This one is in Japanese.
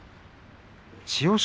千代翔